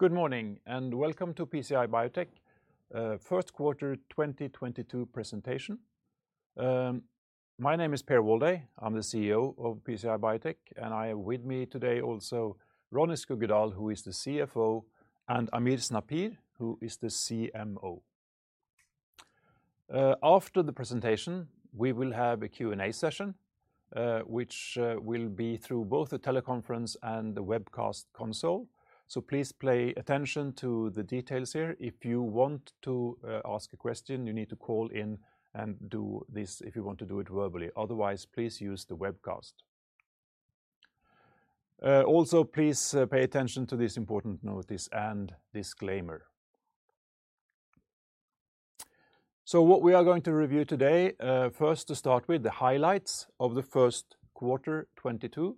Good morning, welcome to PCI Biotech first quarter 2022 presentation. My name is Per Walday. I'm the CEO of PCI Biotech, and I have with me today also Ronny Skuggedal, who is the CFO, and Amir Snapir, who is the CMO. After the presentation, we will have a Q&A session, which will be through both the teleconference and the webcast console. Please pay attention to the details here. If you want to ask a question, you need to call in and do this if you want to do it verbally. Otherwise, please use the webcast. Also, please pay attention to this important notice and disclaimer. What we are going to review today, first to start with the highlights of the first quarter 2022,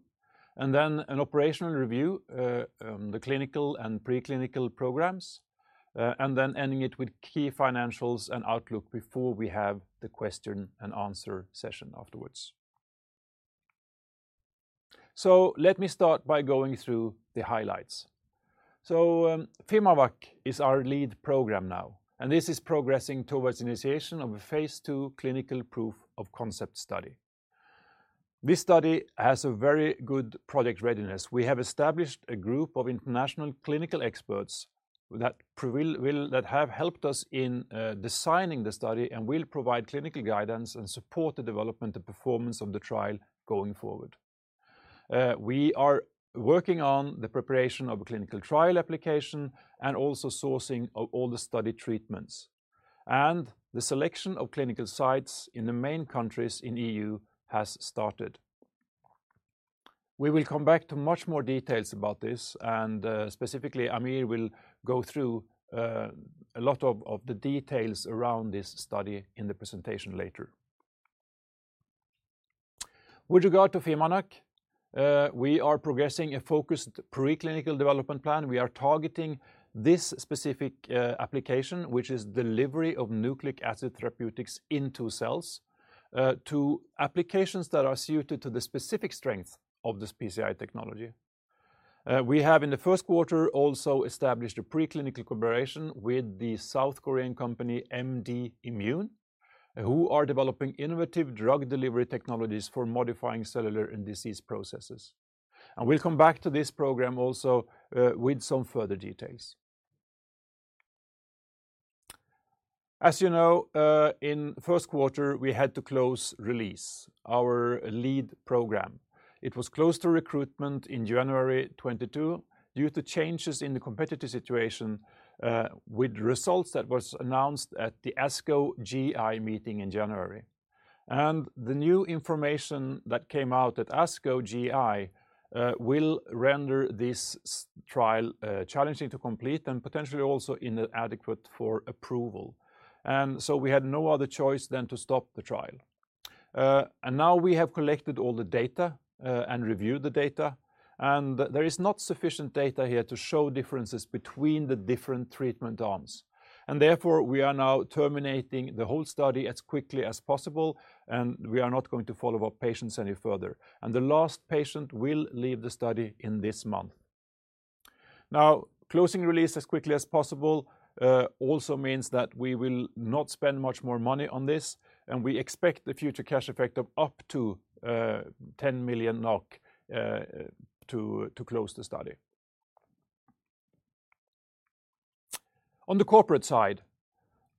and then an operational review, the clinical and preclinical programs, and then ending it with key financials and outlook before we have the question and answer session afterwards. Let me start by going through the highlights. fimaVacc is our lead program now, and this is progressing towards initiation of a phase 2 clinical proof of concept study. This study has a very good project readiness. We have established a group of international clinical experts that have helped us in designing the study and will provide clinical guidance and support the development and performance of the trial going forward. We are working on the preparation of a clinical trial application and also sourcing of all the study treatments. The selection of clinical sites in the main countries in EU has started. We will come back to much more details about this, and, specifically, Amir will go through a lot of the details around this study in the presentation later. With regard to fimaNAc, we are progressing a focused preclinical development plan. We are targeting this specific application, which is delivery of nucleic acid therapeutics into cells, to applications that are suited to the specific strength of this PCI technology. We have in the first quarter also established a preclinical collaboration with the South Korean company MDimune, who are developing innovative drug delivery technologies for modifying cellular and disease processes. We'll come back to this program also, with some further details. As you know, in first quarter, we had to close RELEASE, our lead program. It was closed to recruitment in January 2022 due to changes in the competitive situation, with results that was announced at the ASCO GI meeting in January. The new information that came out at ASCO GI will render this trial challenging to complete and potentially also inadequate for approval. We had no other choice than to stop the trial. Now we have collected all the data, and reviewed the data, and there is not sufficient data here to show differences between the different treatment arms. Therefore, we are now terminating the whole study as quickly as possible, and we are not going to follow up patients any further. The last patient will leave the study in this month. Now, closing Release as quickly as possible also means that we will not spend much more money on this, and we expect the future cash effect of up to 10 million NOK to close the study. On the corporate side,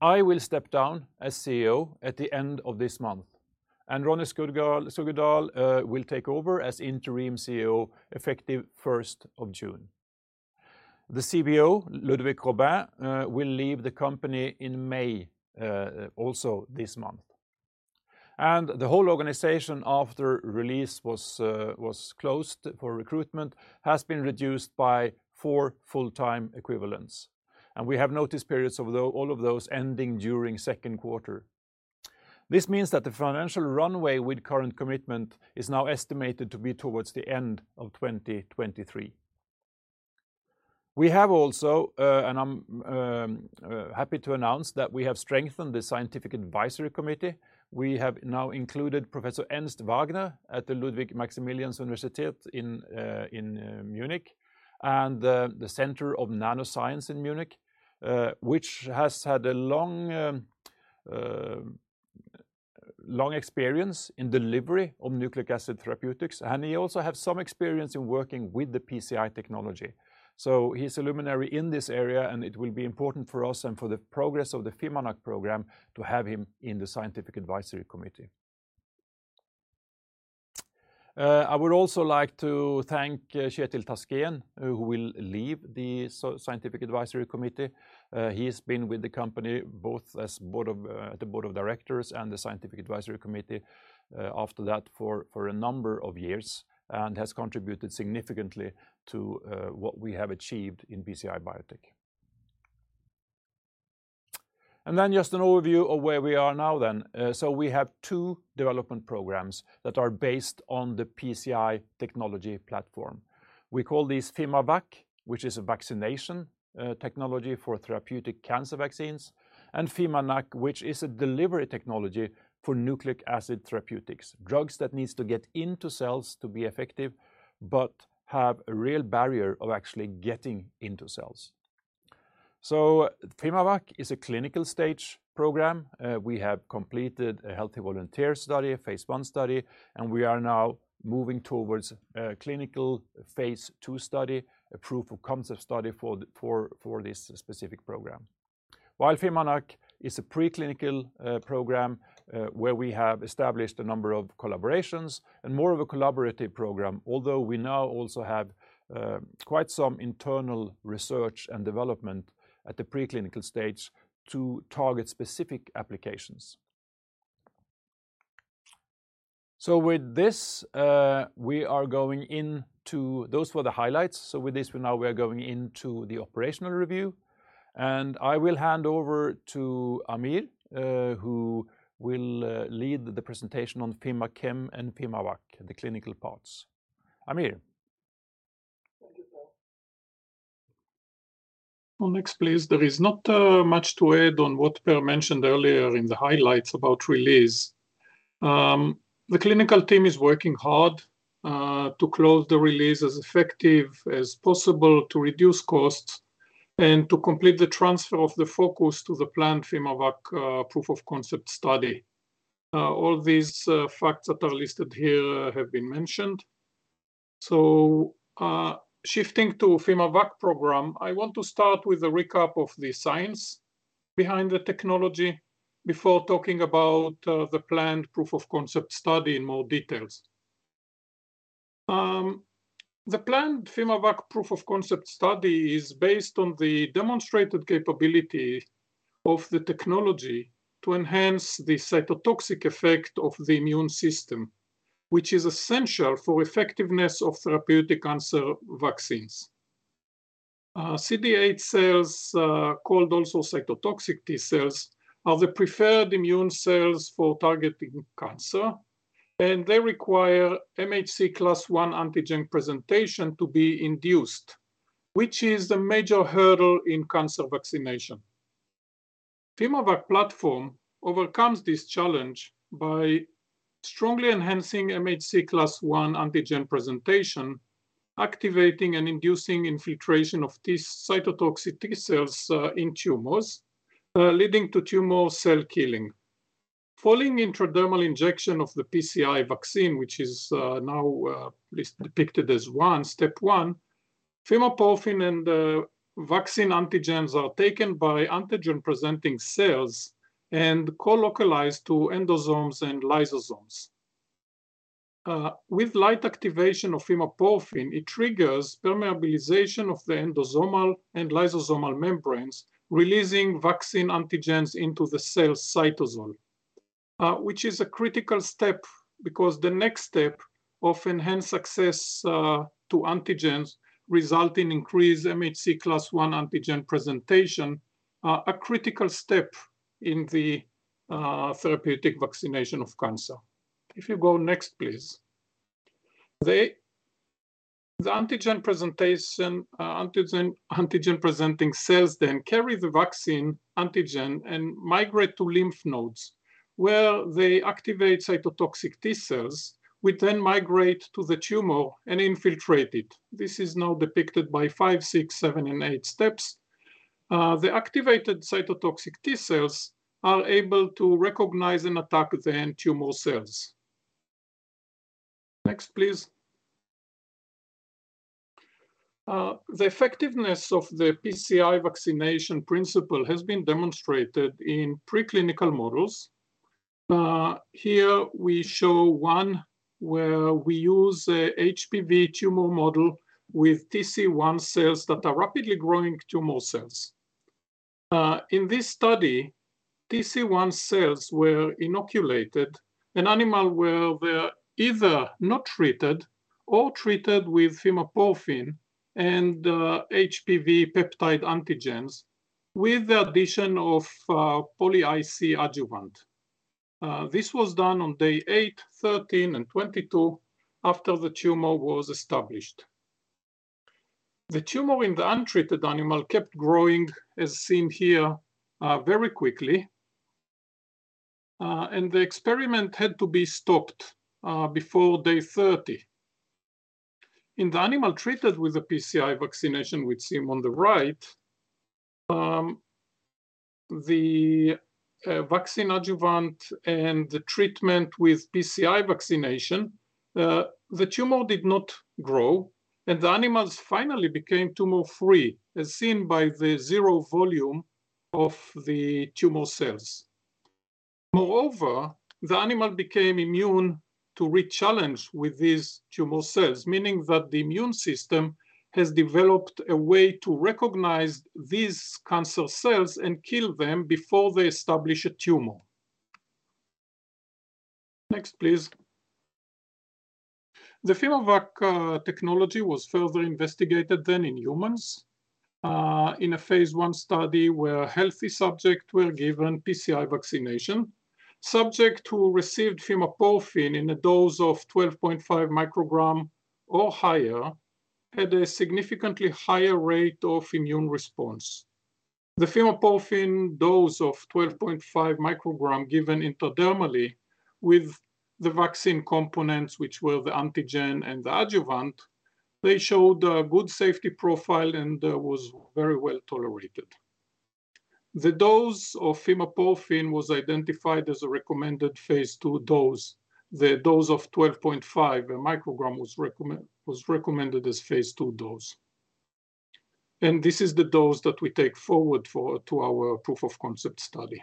I will step down as CEO at the end of this month, and Ronny Skuggedal will take over as interim CEO effective first of June. The CBO, Ludovic Robin, will leave the company in May, also this month. The whole organization after Release was closed for recruitment has been reduced by 4 full-time equivalents. We have notice periods of those ending during second quarter. This means that the financial runway with current commitment is now estimated to be towards the end of 2023. I'm happy to announce that we have strengthened the scientific advisory committee. We have now included Professor Ernst Wagner at the Ludwig-Maximilians-Universität München and the Center for NanoScience in Munich, which has had a long experience in delivery of nucleic acid therapeutics. He also have some experience in working with the PCI technology. He's a luminary in this area, and it will be important for us and for the progress of the fimaNAc program to have him in the scientific advisory committee. I would also like to thank Kjetil Taskén, who will leave the scientific advisory committee. He's been with the company both as board of the board of directors and the scientific advisory committee after that for a number of years and has contributed significantly to what we have achieved in PCI Biotech. Just an overview of where we are now then. We have two development programs that are based on the PCI technology platform. We call these fimaVacc, which is a vaccination technology for therapeutic cancer vaccines, and fimaNAc, which is a delivery technology for nucleic acid therapeutics, drugs that needs to get into cells to be effective but have a real barrier of actually getting into cells. fimaVacc is a clinical stage program. We have completed a healthy volunteer study, a phase 1 study, and we are now moving towards a clinical phase 2 study, a proof of concept study for this specific program. While fimaVacc is a preclinical program where we have established a number of collaborations and more of a collaborative program. Although we now also have quite some internal research and development at the preclinical stage to target specific applications. Those were the highlights. With this, we are going into the operational review, and I will hand over to Amir, who will lead the presentation on fimaChem and fimaVacc, the clinical parts. Amir. Thank you, Per. Well, next, please. There is not much to add on what Per mentioned earlier in the highlights about RELEASE. The clinical team is working hard to close the RELEASE as effective as possible to reduce costs and to complete the transfer of the focus to the planned fimaVacc proof of concept study. All these facts that are listed here have been mentioned. Shifting to fimaVacc program, I want to start with a recap of the science behind the technology before talking about the planned proof of concept study in more details. The planned fimaVacc proof of concept study is based on the demonstrated capability of the technology to enhance the cytotoxic effect of the immune system, which is essential for effectiveness of therapeutic cancer vaccines. CD8 cells, also called cytotoxic T cells, are the preferred immune cells for targeting cancer, and they require MHC class I antigen presentation to be induced, which is a major hurdle in cancer vaccination. fimaVacc platform overcomes this challenge by strongly enhancing MHC class I antigen presentation, activating and inducing infiltration of these cytotoxic T cells in tumors, leading to tumor cell killing. Following intradermal injection of the PCI vaccine, which is now depicted as PCIV-01, step one, fimaporfin and the vaccine antigens are taken by antigen-presenting cells and colocalized to endosomes and lysosomes. With light activation of fimaporfin, it triggers permeabilization of the endosomal and lysosomal membranes, releasing vaccine antigens into the cell cytosol, which is a critical step because the next step of enhanced access to antigens result in increased MHC class I antigen presentation, a critical step in the therapeutic vaccination of cancer. If you go next, please. The antigen-presenting cells then carry the vaccine antigen and migrate to lymph nodes where they activate cytotoxic T cells, which then migrate to the tumor and infiltrate it. This is now depicted by 5, 6, 7, and 8 steps. The activated cytotoxic T cells are able to recognize and attack the tumor cells. Next, please. The effectiveness of the PCI vaccination principle has been demonstrated in preclinical models. Here we show one where we use an HPV tumor model with TC-1 cells that are rapidly growing tumor cells. In this study, TC-1 cells were inoculated in an animal where they're either not treated or treated with fimaporfin and HPV peptide antigens with the addition of poly-IC adjuvant. This was done on day 8, 13, and 22 after the tumor was established. The tumor in the untreated animal kept growing, as seen here, very quickly. The experiment had to be stopped before day 30. In the animal treated with a PCI vaccination, which is seen on the right, the tumor did not grow, and the animals finally became tumor-free, as seen by the 0 volume of the tumor cells. The animal became immune to re-challenge with these tumor cells, meaning that the immune system has developed a way to recognize these cancer cells and kill them before they establish a tumor. Next, please. The fimaVacc technology was further investigated in humans in a phase 1 study where healthy subjects were given fimaVacc vaccination. Subjects who received fimaporfin in a dose of 12.5 microgram or higher had a significantly higher rate of immune response. The fimaporfin dose of 12.5 microgram given intradermally with the vaccine components, which were the antigen and the adjuvant, showed a good safety profile and was very well tolerated. The dose of fimaporfin was identified as a recommended phase II dose. The dose of 12.5 microgram was recommended as phase II dose. This is the dose that we take forward to our proof of concept study.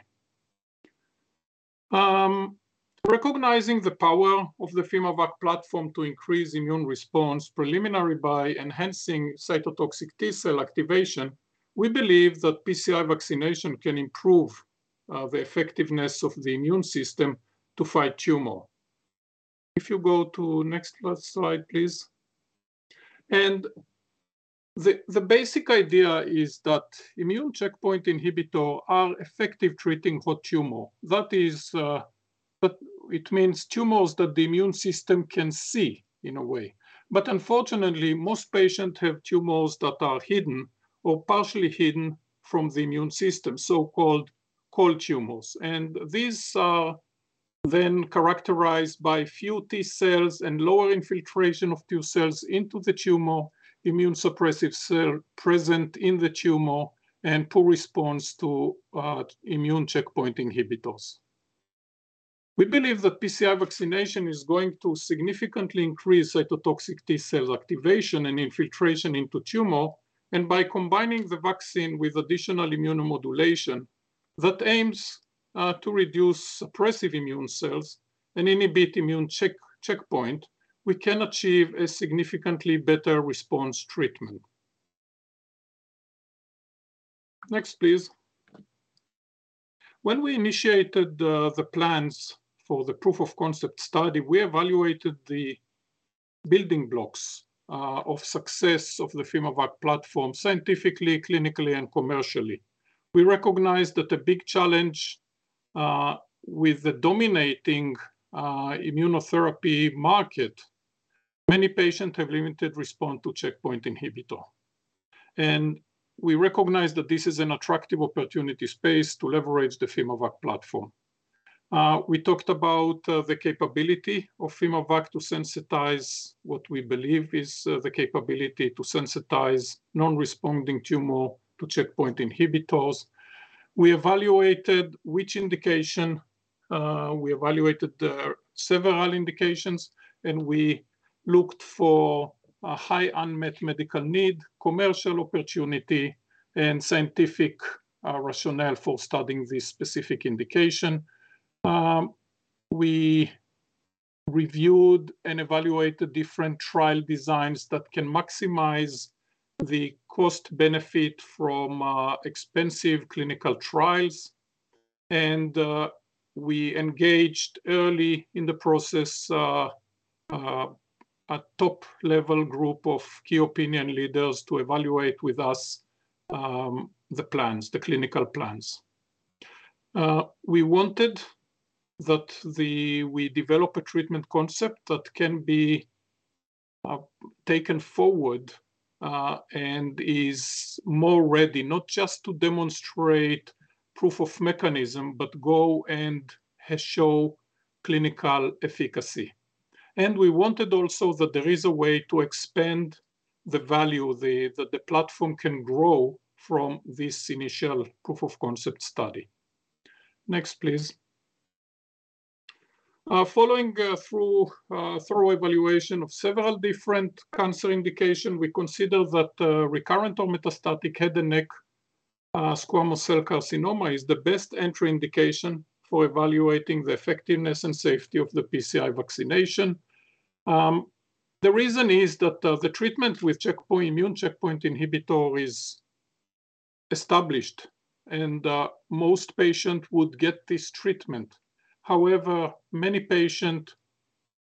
Recognizing the power of the fimaVacc platform to increase immune response primarily by enhancing cytotoxic T-cell activation, we believe that fimaVacc can improve the effectiveness of the immune system to fight tumor. If you go to next slide, please. The basic idea is that immune checkpoint inhibitors are effective treating "hot" tumors. But it means tumors that the immune system can see in a way. Unfortunately, most patients have tumors that are hidden or partially hidden from the immune system, so-called "cold" tumors. These are then characterized by few T cells and lower infiltration of T cells into the tumor, immunosuppressive cells present in the tumor, and poor response to immune checkpoint inhibitors. We believe that PCI vaccination is going to significantly increase cytotoxic T-cell activation and infiltration into tumor. By combining the vaccine with additional immunomodulation that aims to reduce suppressive immune cells and inhibit immune checkpoint, we can achieve a significantly better response treatment. Next, please. When we initiated the plans for the proof of concept study, we evaluated the building blocks of success of the fimaVacc platform scientifically, clinically, and commercially. We recognized that a big challenge with the dominating immunotherapy market, many patients have limited response to checkpoint inhibitor. We recognize that this is an attractive opportunity space to leverage the fimaVacc platform. We talked about the capability of fimaVacc to sensitize what we believe is non-responding tumor to checkpoint inhibitors. We evaluated which indication. We evaluated several indications, and we looked for a high unmet medical need, commercial opportunity, and scientific rationale for studying this specific indication. We reviewed and evaluated different trial designs that can maximize the cost benefit from expensive clinical trials. We engaged early in the process a top-level group of key opinion leaders to evaluate with us the plans, the clinical plans. We wanted that we develop a treatment concept that can be taken forward and is more ready, not just to demonstrate proof of mechanism, but go and show clinical efficacy. We wanted also that there is a way to expand the value that the platform can grow from this initial proof of concept study. Next, please. Following a thorough evaluation of several different cancer indications, we consider that recurrent or metastatic head and neck squamous cell carcinoma is the best entry indication for evaluating the effectiveness and safety of the PCI vaccination. The reason is that the treatment with immune checkpoint inhibitor is established, and most patients would get this treatment. However, many patients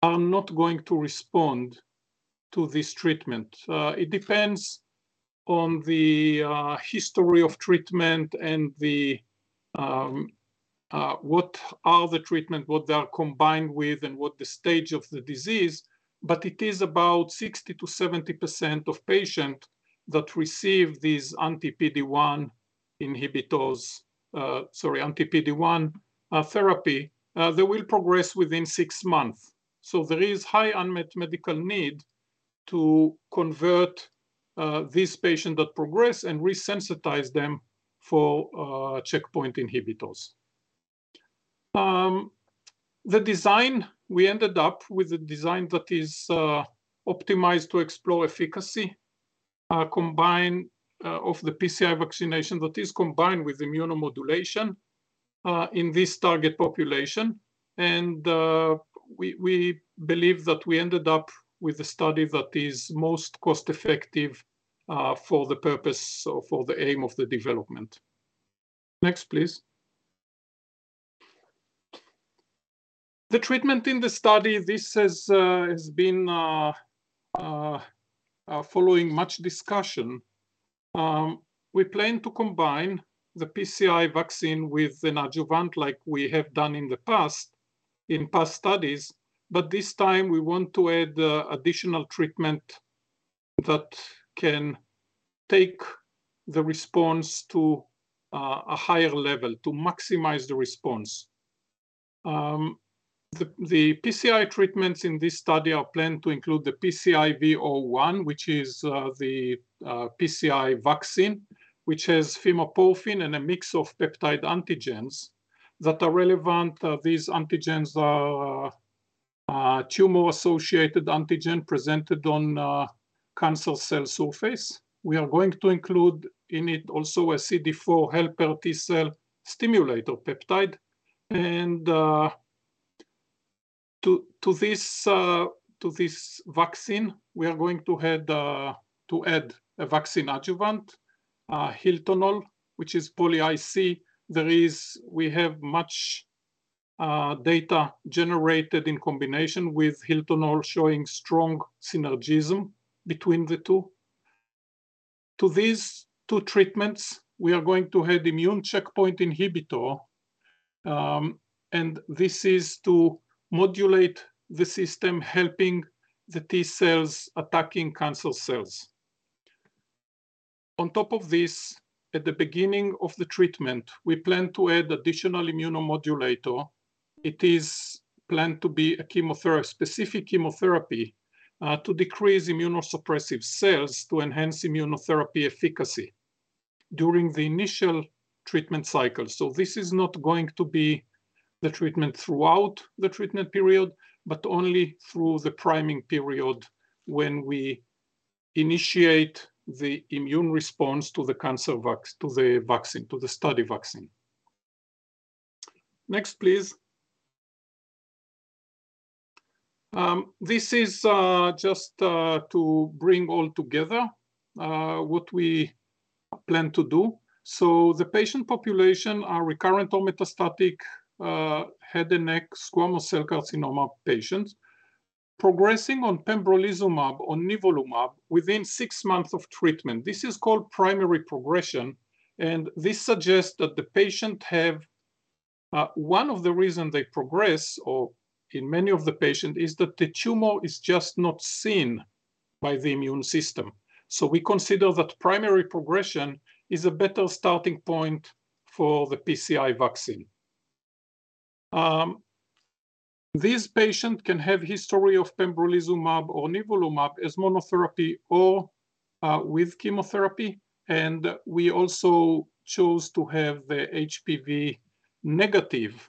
are not going to respond to this treatment. It depends on the history of treatment and what they are combined with, and what the stage of the disease, but it is about 60%-70% of patients that receive these anti-PD-1 therapy, they will progress within six months. There is high unmet medical need to convert these patients that progress and resensitize them for checkpoint inhibitors. The design we ended up with is optimized to explore efficacy combined of the PCI vaccination that is combined with immunomodulation in this target population. We believe that we ended up with a study that is most cost-effective for the purpose or for the aim of the development. Next, please. The treatment in the study has been following much discussion. We plan to combine the PCI vaccine with an adjuvant like we have done in the past, in past studies, but this time we want to add additional treatment that can take the response to a higher level, to maximize the response. The PCI treatments in this study are planned to include the PCIV-01, which is the PCI vaccine, which has fimaporfin and a mix of peptide antigens that are relevant. These antigens are tumor-associated antigen presented on cancer cell surface. We are going to include in it also a CD4 helper T cell stimulator peptide. To this vaccine, we are going to add a vaccine adjuvant, Hiltonol, which is poly IC. We have much data generated in combination with Hiltonol showing strong synergism between the two. To these two treatments, we are going to add immune checkpoint inhibitor, and this is to modulate the system, helping the T cells attacking cancer cells. On top of this, at the beginning of the treatment, we plan to add additional immunomodulator. It is planned to be a specific chemotherapy to decrease immunosuppressive cells to enhance immunotherapy efficacy during the initial treatment cycle. This is not going to be the treatment throughout the treatment period, but only through the priming period when we initiate the immune response to the vaccine, to the study vaccine. Next, please. This is just to bring all together what we plan to do. The patient population are recurrent or metastatic head and neck squamous cell carcinoma patients progressing on pembrolizumab or nivolumab within six months of treatment. This is called primary progression, and this suggests that the patient have one of the reason they progress or in many of the patient is that the tumor is just not seen by the immune system. We consider that primary progression is a better starting point for the PCI vaccine. This patient can have history of pembrolizumab or nivolumab as monotherapy or with chemotherapy. We also chose to have the HPV negative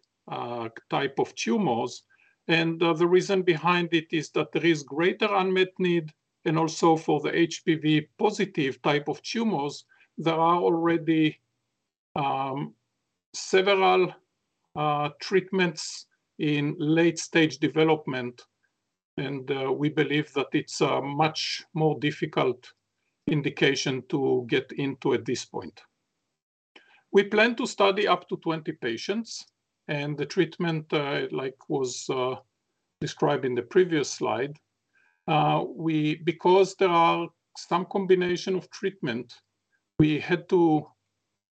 type of tumors. The reason behind it is that there is greater unmet need. Also for the HPV positive type of tumors, there are already several treatments in late stage development, and we believe that it's a much more difficult indication to get into at this point. We plan to study up to 20 patients, and the treatment like was described in the previous slide. Because there are some combination of treatment, we had to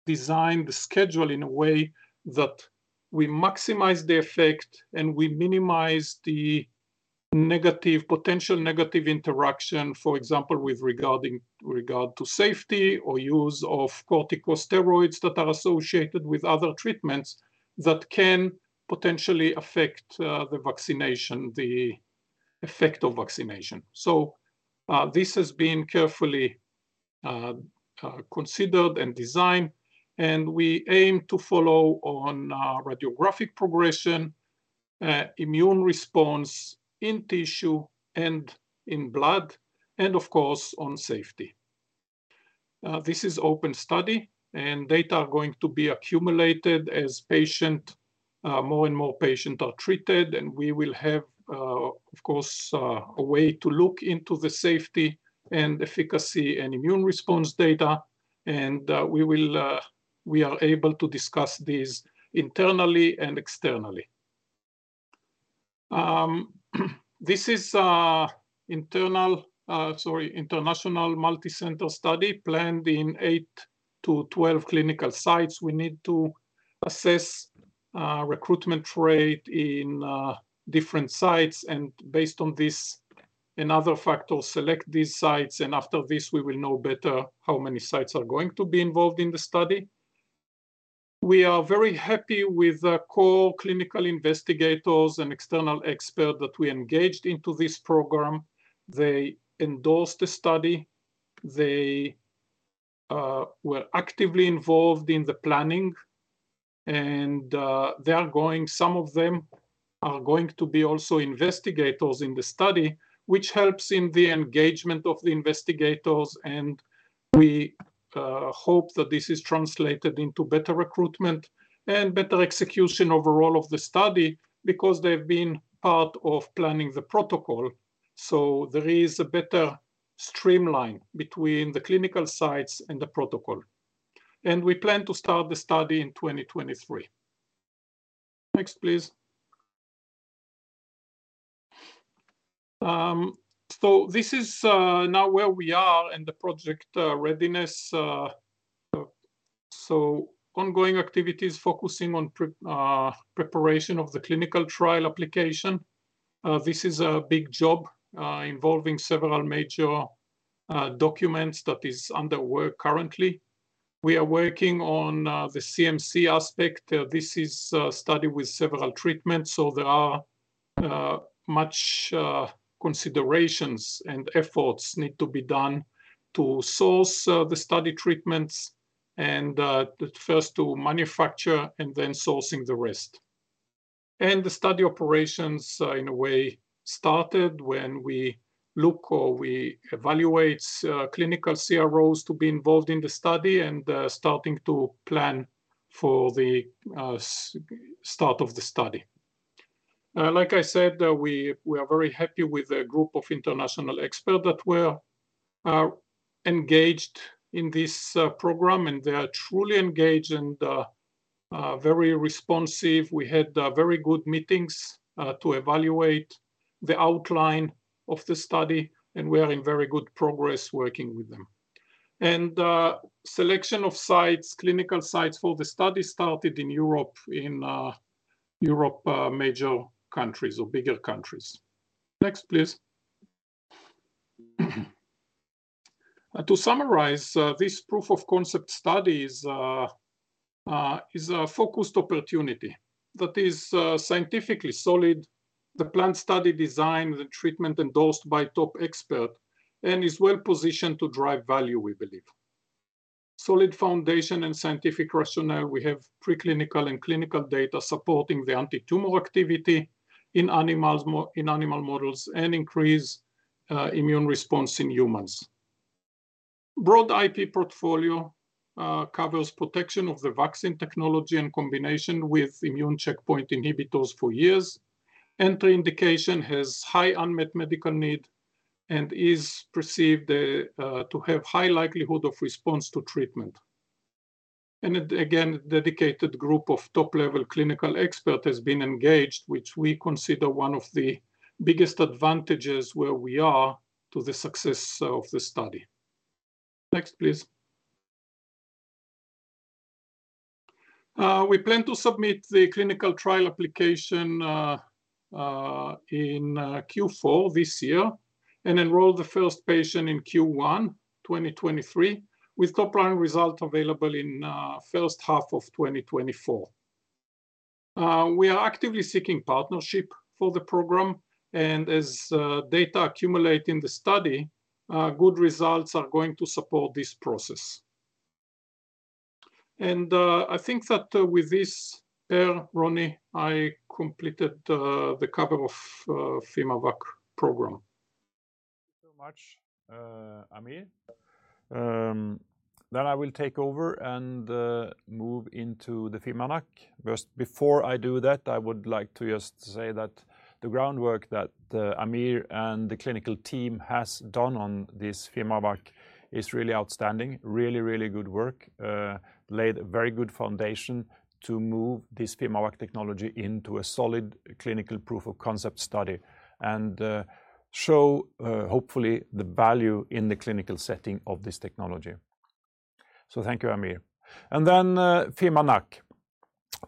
design the schedule in a way that we maximize the effect and we minimize the potential negative interaction, for example, with regard to safety or use of corticosteroids that are associated with other treatments that can potentially affect the vaccination, the effect of vaccination. This has been carefully considered and designed, and we aim to follow on radiographic progression, immune response in tissue and in blood, and of course, on safety. This is open study, and data are going to be accumulated as more and more patients are treated, and we will have, of course, a way to look into the safety and efficacy and immune response data. We are able to discuss this internally and externally. This is international multicenter study planned in 8-12 clinical sites. We need to assess recruitment rate in different sites and based on this and other factors, select these sites, and after this, we will know better how many sites are going to be involved in the study. We are very happy with the core clinical investigators and external expert that we engaged into this program. They endorsed the study. They were actively involved in the planning and some of them are going to be also investigators in the study, which helps in the engagement of the investigators. We hope that this is translated into better recruitment and better execution overall of the study because they've been part of planning the protocol, so there is a better streamline between the clinical sites and the protocol. We plan to start the study in 2023. Next, please. This is now where we are in the project readiness. Ongoing activities focusing on preparation of the clinical trial application. This is a big job involving several major documents that is under work currently. We are working on the CMC aspect. This is a study with several treatments, so there are much considerations and efforts need to be done to source the study treatments and first to manufacture and then sourcing the rest. The study operations in a way started when we look or we evaluate clinical CROs to be involved in the study and starting to plan for the start of the study. Like I said, we are very happy with the group of international experts that were engaged in this program, and they are truly engaged and very responsive. We had very good meetings to evaluate the outline of the study, and we are in very good progress working with them. Selection of clinical sites for the study started in Europe, major countries or bigger countries. Next, please. To summarize, this proof of concept study is a focused opportunity that is scientifically solid. The planned study design, the treatment endorsed by top experts and is well-positioned to drive value we believe. Solid foundation and scientific rationale, we have preclinical and clinical data supporting the antitumor activity in animal models and increased immune response in humans. Broad IP portfolio covers protection of the vaccine technology in combination with immune checkpoint inhibitors for years. Entry indication has high unmet medical need and is perceived to have high likelihood of response to treatment. It, again, dedicated group of top-level clinical expert has been engaged, which we consider one of the biggest advantages where we are to the success of the study. Next, please. We plan to submit the clinical trial application in Q4 this year and enroll the first patient in Q1 2023 with top-line results available in first half of 2024. We are actively seeking partnership for the program, and as data accumulate in the study, good results are going to support this process. I think that, with this, Per Walday, Ronny Skuggedal, I completed the cover of fimaVacc program. Thank you so much, Amir. I will take over and move into the fimaNAc. First, before I do that, I would like to just say that the groundwork that Amir and the clinical team has done on this fimaVacc is really outstanding, really, really good work laid a very good foundation to move this fimaVacc technology into a solid clinical proof of concept study and, hopefully, show the value in the clinical setting of this technology. Thank you, Amir. fimaNAc.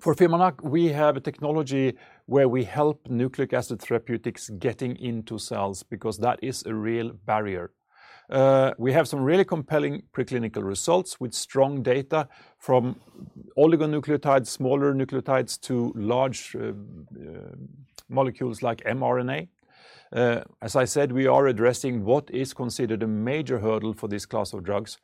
For fimaNAc, we have a technology where we help nucleic acid therapeutics getting into cells because that is a real barrier. We have some really compelling preclinical results with strong data from oligonucleotides, smaller nucleotides to large molecules like mRNA. As I said, we are addressing what is considered a major hurdle for this class of drugs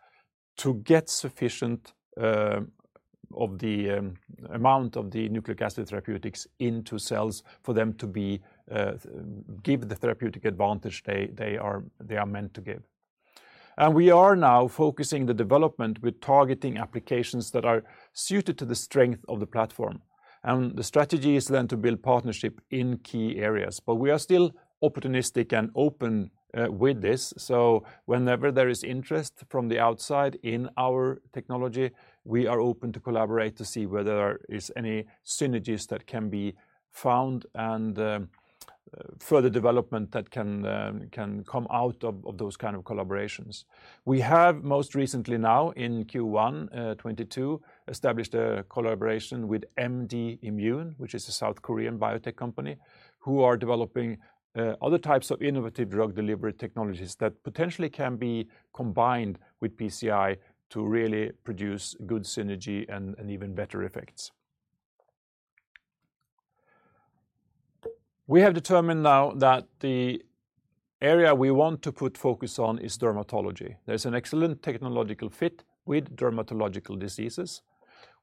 to get sufficient of the amount of the nucleic acid therapeutics into cells for them to give the therapeutic advantage they are meant to give. We are now focusing the development with targeting applications that are suited to the strength of the platform. The strategy is then to build partnership in key areas. We are still opportunistic and open with this. Whenever there is interest from the outside in our technology, we are open to collaborate to see whether there is any synergies that can be found and further development that can come out of those kind of collaborations. We have most recently now in Q1 2022 established a collaboration with MDimune, which is a South Korean biotech company, who are developing other types of innovative drug delivery technologies that potentially can be combined with PCI to really produce good synergy and even better effects. We have determined now that the area we want to put focus on is dermatology. There's an excellent technological fit with dermatological diseases.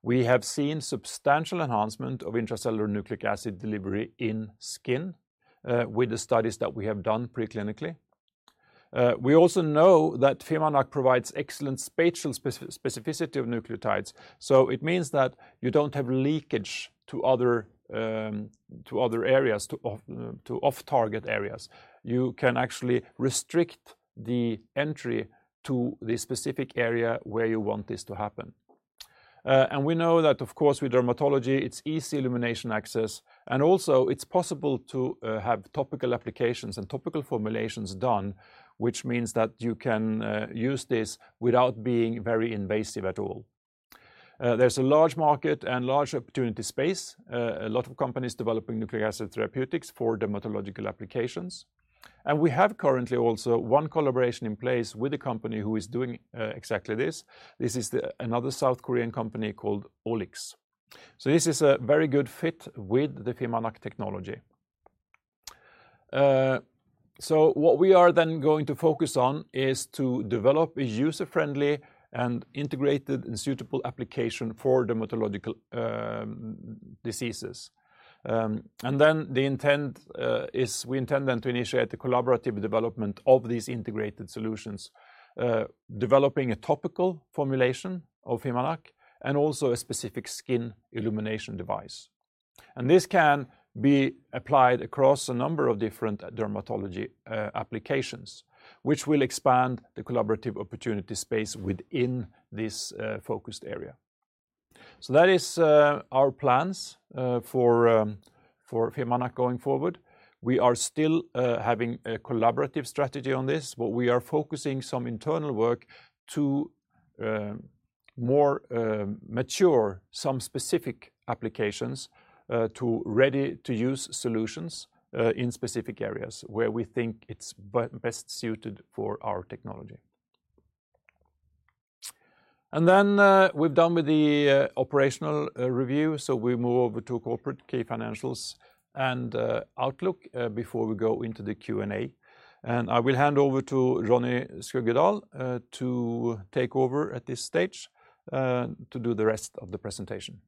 We have seen substantial enhancement of intracellular nucleic acid delivery in skin with the studies that we have done preclinically. We also know that fimaNAc provides excellent spatial specificity of nucleotides. It means that you don't have leakage to other to other areas to off-target areas. You can actually restrict the entry to the specific area where you want this to happen. We know that of course with dermatology, it's easy illumination access, and also it's possible to have topical applications and topical formulations done, which means that you can use this without being very invasive at all. There's a large market and large opportunity space, a lot of companies developing nucleic acid therapeutics for dermatological applications. We have currently also one collaboration in place with a company who is doing exactly this. This is another South Korean company called OliX. This is a very good fit with the fimaNAc technology. What we are then going to focus on is to develop a user-friendly and integrated and suitable application for dermatological diseases. Then the intent is we intend then to initiate the collaborative development of these integrated solutions, developing a topical formulation of fimaNAc and also a specific skin illumination device. This can be applied across a number of different dermatology applications, which will expand the collaborative opportunity space within this focused area. That is our plans for fimaNAc going forward. We are still having a collaborative strategy on this, but we are focusing some internal work to more mature some specific applications to ready-to-use solutions in specific areas where we think it's best suited for our technology. Then we're done with the operational review. We move over to corporate key financials and outlook before we go into the Q&A. I will hand over to Ronny Skuggedal to take over at this stage to do the rest of the presentation.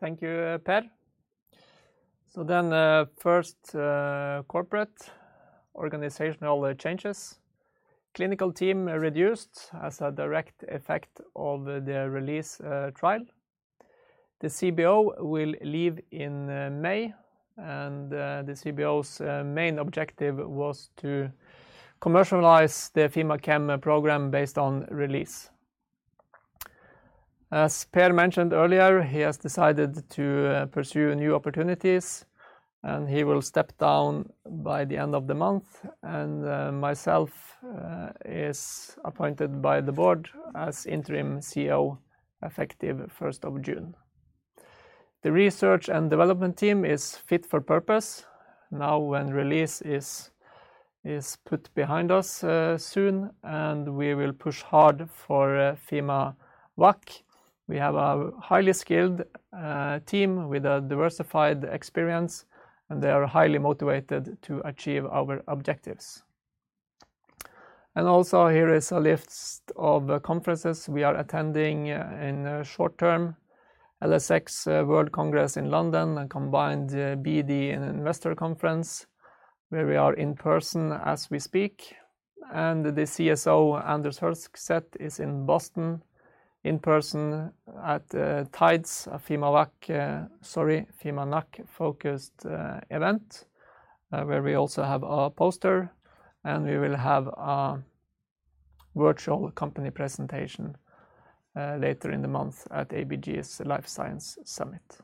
Thank you, Per. First corporate organizational changes. Clinical team reduced as a direct effect of the RELEASE trial. The CBO will leave in May and the CBO's main objective was to commercialize the fimaChem program based on RELEASE. As Per mentioned earlier, he has decided to pursue new opportunities and he will step down by the end of the month and myself is appointed by the board as interim CEO effective 1st of June. The research and development team is fit for purpose. Now when RELEASE is put behind us soon and we will push hard for fimaVacc. We have a highly skilled team with a diversified experience and they are highly motivated to achieve our objectives. Here is a list of conferences we are attending in short term. LSX World Congress in London, a combined BD and investor conference where we are in person as we speak. The CSO Anders Høgset is in Boston in person at TIDES, a fimaVacc, sorry, fimaNAc focused event where we also have a poster and we will have a virtual company presentation later in the month at ABG Sundal Collier's Life Science Summit.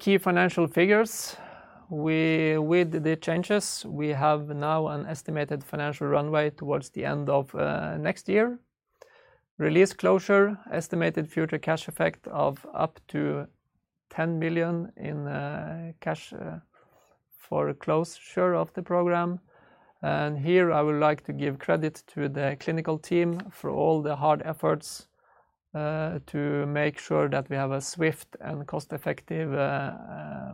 Key financial figures. With the changes, we have now an estimated financial runway towards the end of next year. RELEASE closure, estimated future cash effect of up to 10 million in cash for closure of the program. Here I would like to give credit to the clinical team for all the hard efforts to make sure that we have a swift and cost-effective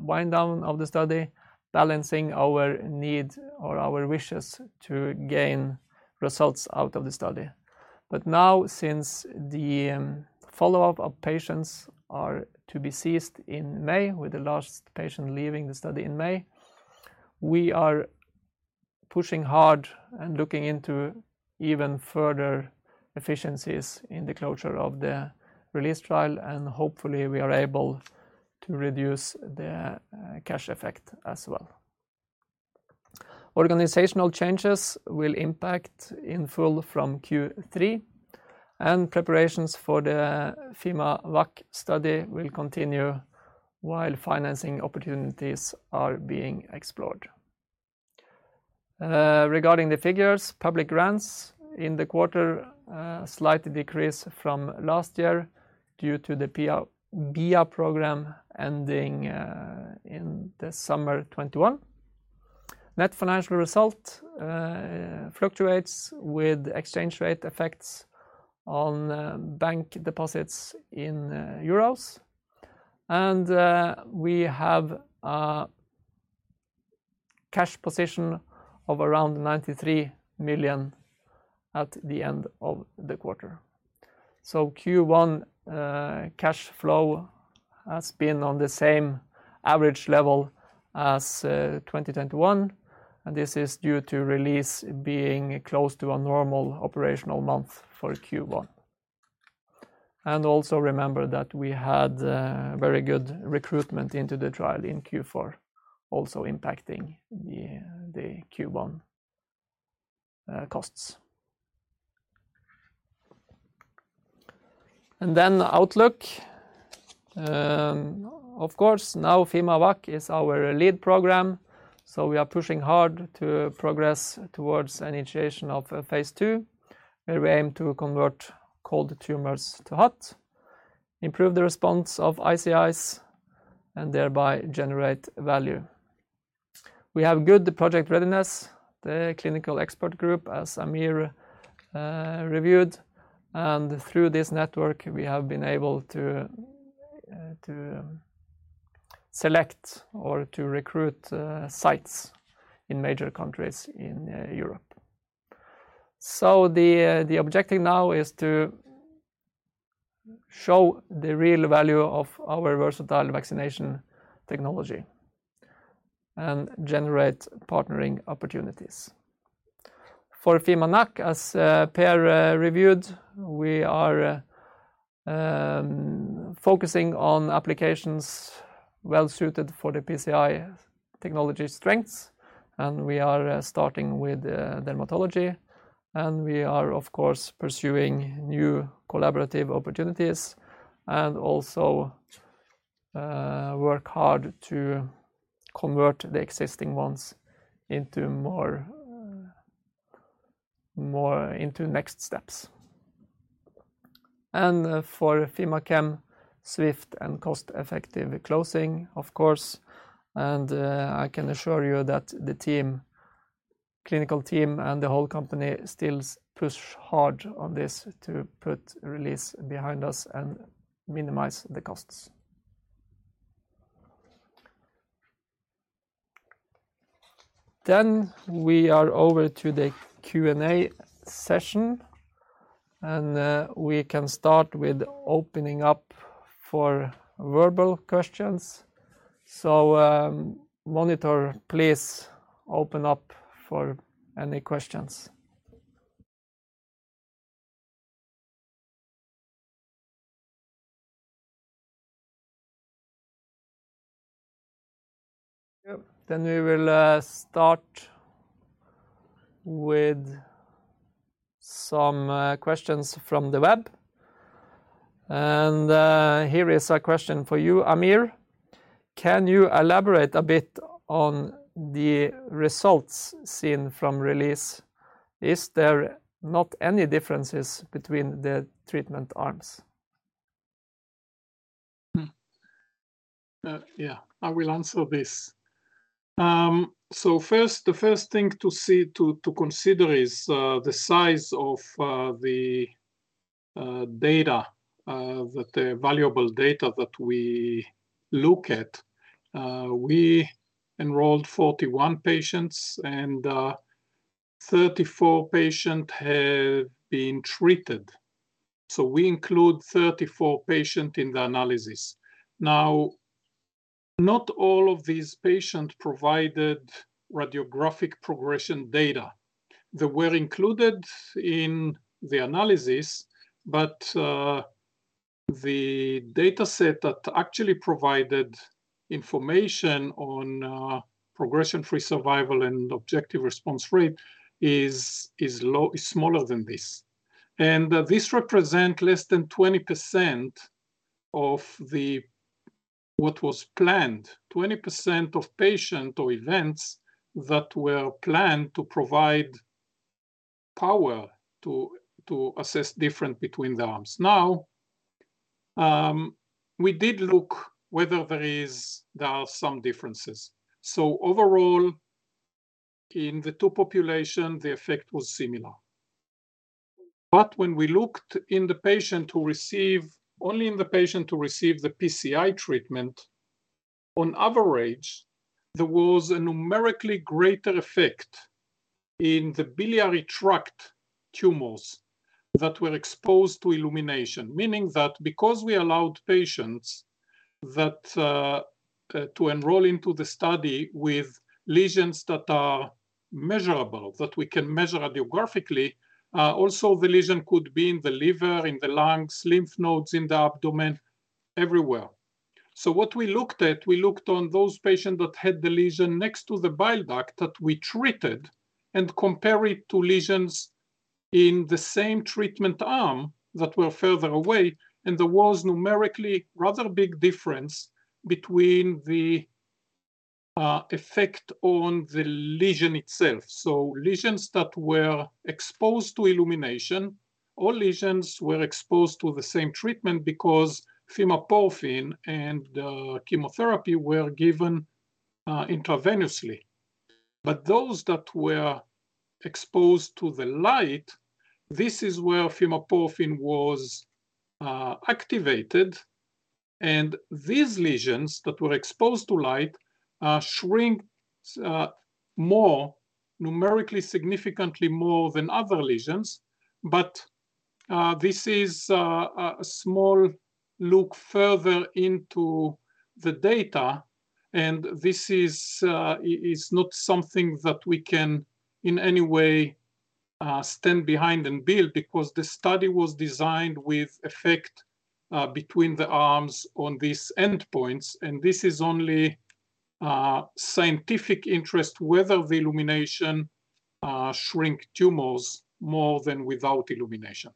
wind down of the study, balancing our need or our wishes to gain results out of the study. Now since the follow-up of patients are to be ceased in May with the last patient leaving the study in May, we are pushing hard and looking into even further efficiencies in the closure of the RELEASE trial. Hopefully we are able to reduce the cash effect as well. Organizational changes will impact in full from Q3 and preparations for the fimaVacc study will continue while financing opportunities are being explored. Regarding the figures, public grants in the quarter, slight decrease from last year due to the BIA program ending in the summer 2021. Net financial result fluctuates with exchange rate effects on bank deposits in euros. We have a cash position of around 93 million at the end of the quarter. Q1 cash flow has been on the same average level as 2021. This is due to RELEASE being close to a normal operational month for Q1. Also remember that we had very good recruitment into the trial in Q4, also impacting the Q1 costs. Outlook. Of course, now fimaVacc is our lead program, so we are pushing hard to progress towards an initiation of a phase two, where we aim to convert cold tumors to hot, improve the response of ICIs, and thereby generate value. We have good project readiness. The clinical expert group, as Amir reviewed, and through this network, we have been able to select or to recruit sites in major countries in Europe. The objective now is to show the real value of our versatile vaccination technology and generate partnering opportunities. For fimaNAc, as Per reviewed, we are focusing on applications well suited for the PCI technology strengths, and we are starting with dermatology, and we are of course pursuing new collaborative opportunities and also work hard to convert the existing ones into more into next steps. For fimaChem, swift and cost-effective closing of course, and I can assure you that the team, clinical team and the whole company still push hard on this to put RELEASE behind us and minimize the costs. We are over to the Q&A session, and we can start with opening up for verbal questions. Monitor, please open up for any questions. Yep, then we will start with some questions from the web. Here is a question for you, Amir. Can you elaborate a bit on the results seen from RELEASE? Is there not any differences between the treatment arms? Yeah, I will answer this. First, the first thing to consider is the size of the valuable data that we look at. We enrolled 41 patients and 34 patients have been treated, so we include 34 patients in the analysis. Now, not all of these patients provided radiographic progression data. They were included in the analysis, but the data set that actually provided information on progression-free survival and objective response rate is smaller than this. This represents less than 20% of what was planned, 20% of patients or events that were planned to provide power to assess difference between the arms. Now, we did look whether there are some differences. Overall, in the two populations, the effect was similar. When we looked at the patients who received the PCI treatment, on average, there was a numerically greater effect in the biliary tract tumors that were exposed to illumination. Meaning that because we allowed patients to enroll into the study with lesions that are measurable, that we can measure radiographically, also the lesion could be in the liver, in the lungs, lymph nodes in the abdomen, everywhere. What we looked at, we looked at those patients that had the lesion next to the bile duct that we treated and compare it to lesions in the same treatment arm that were further away, and there was numerically rather big difference between the effect on the lesion itself. Lesions that were exposed to illumination, all lesions were exposed to the same treatment because fimaporfin and chemotherapy were given intravenously. Those that were exposed to the light, this is where fimaporfin was activated, and these lesions that were exposed to light shrink more, numerically significantly more than other lesions. This is a small look further into the data, and this is not something that we can in any way stand behind and build because the study was designed with effect between the arms on these endpoints, and this is only scientific interest whether the illumination shrink tumors more than without illumination.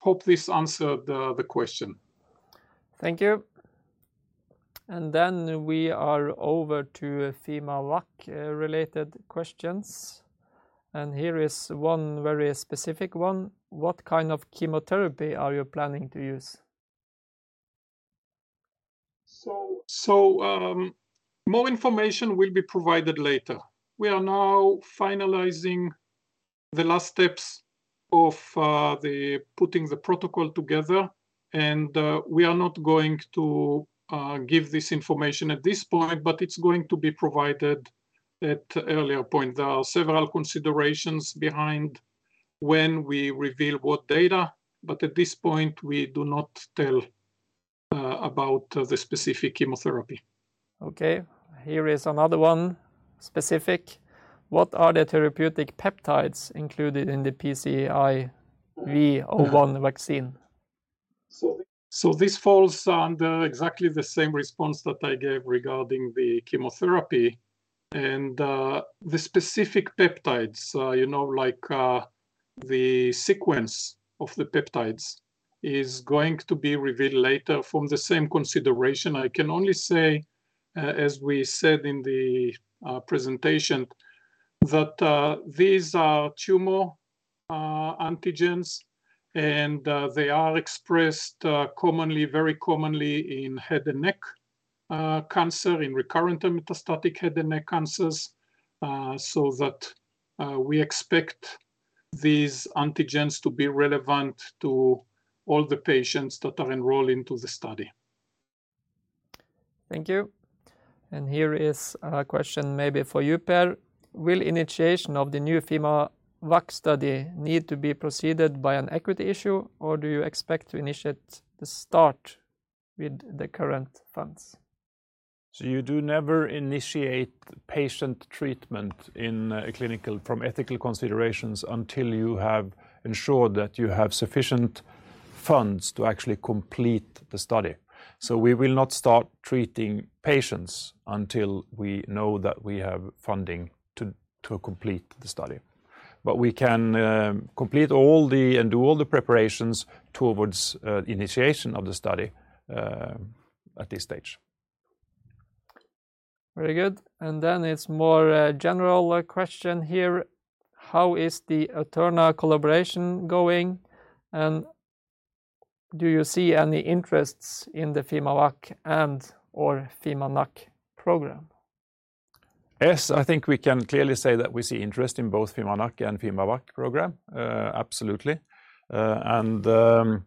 Hope this answered the question. Thank you. We are over to fimaVacc related questions. Here is one very specific one. What kind of chemotherapy are you planning to use? More information will be provided later. We are now finalizing the last steps of putting the protocol together, and we are not going to give this information at this point, but it's going to be provided at an earlier point. There are several considerations behind when we reveal what data, but at this point, we do not tell about the specific chemotherapy. Okay. Here is another one, specific. What are the therapeutic peptides included in the PCIV-01 vaccine? This falls under exactly the same response that I gave regarding the chemotherapy, and the specific peptides, you know, like, the sequence of the peptides is going to be revealed later from the same consideration. I can only say, as we said in the presentation, that these are tumor antigens, and they are expressed commonly, very commonly in head and neck cancer, in recurrent and metastatic head and neck cancers. We expect these antigens to be relevant to all the patients that are enrolled into the study. Thank you. Here is a question maybe for you, Per. Will initiation of the new fimaVacc study need to be proceeded by an equity issue, or do you expect to initiate the start with the current funds? You do never initiate patient treatment from ethical considerations until you have ensured that you have sufficient funds to actually complete the study. We will not start treating patients until we know that we have funding to complete the study. We can complete and do all the preparations towards initiation of the study at this stage. Very good. It's more a general question here. How is the eTheRNA collaboration going, and do you see any interests in the fimaVacc and/or fimaNAc program? Yes. I think we can clearly say that we see interest in both fimaNAc and fimaVacc program, absolutely. The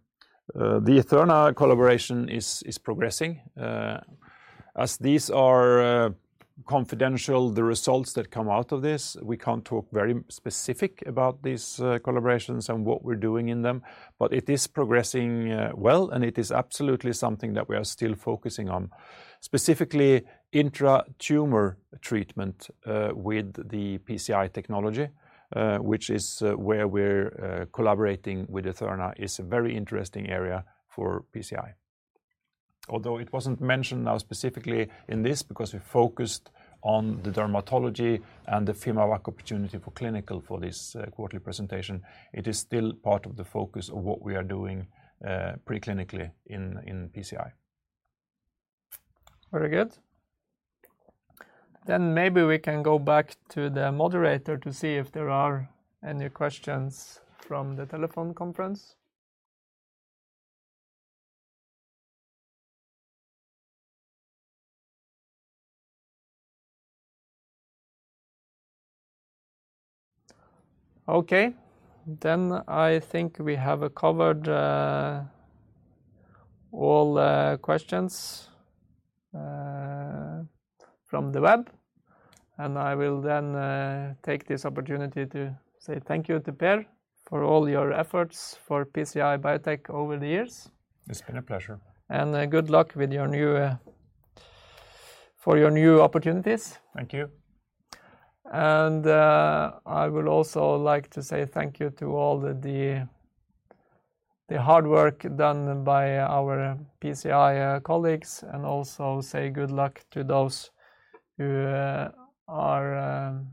eTheRNA collaboration is progressing. As these are confidential, the results that come out of this, we can't talk very specific about these collaborations and what we're doing in them, but it is progressing well, and it is absolutely something that we are still focusing on. Specifically, intra-tumor treatment with the PCI technology, which is where we're collaborating with eTheRNA, is a very interesting area for PCI. Although it wasn't mentioned now specifically in this because we focused on the dermatology and the fimaVacc opportunity for clinical for this quarterly presentation, it is still part of the focus of what we are doing pre-clinically in PCI. Very good. Maybe we can go back to the moderator to see if there are any questions from the telephone conference. Okay. I think we have covered all questions from the web, and I will then take this opportunity to say thank you to Per for all your efforts for PCI Biotech over the years. It's been a pleasure. Good luck with your new opportunities. Thank you. I would also like to say thank you to all the hard work done by our PCI colleagues and also say good luck to those who are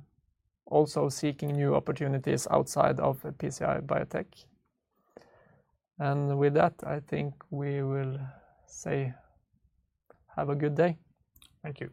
also seeking new opportunities outside of PCI Biotech. With that, I think we will say have a good day. Thank you.